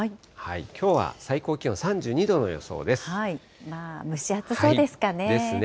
きょうは最高気温３２度の予想です。ですね。